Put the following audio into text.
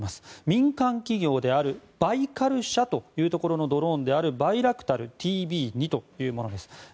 民間企業であるバイカル社というところのドローンであるバイラクタルＴＢ２というものです。